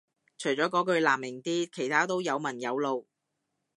除咗嗰句難明啲其他都有文有路